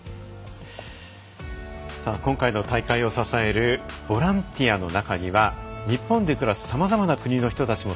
今回の大会を支えるボランティアの中には日本で暮らすさまざまな国の人たちも